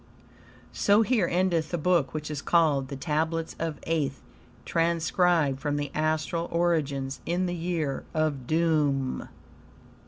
So here endeth the Book which is called "The Tablets of Aeth," transcribed from the astral originals in the Year of Doom MDCCCXCIII.